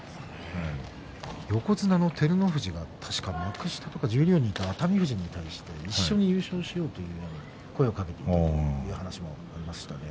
横綱の照ノ富士は確か幕下や十両にいた熱海富士に一緒に優勝しようと声をかけたという話もありましたね